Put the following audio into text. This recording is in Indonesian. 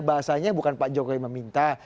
bukan pak jokowi meminta